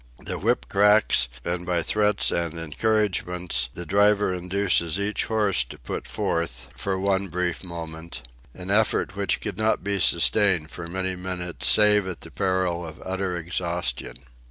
The whip cracks and by threats and encouragements the driver induces each horse to put forth, for one brief moment, an effort which could not be sustained for many minutes save at the peril of utter exhaustion.